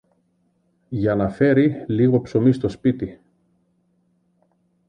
για να φέρει λίγο ψωμί στο σπίτι.